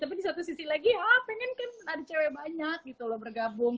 tapi di satu sisi lagi ya pengen kan ada cewek banyak gitu loh bergabung